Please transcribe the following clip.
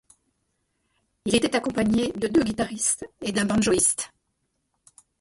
Il était accompagné de deux guitaristes et d'un banjoïste.